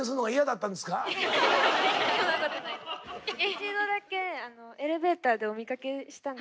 一度だけエレベーターでお見かけしたんですよ。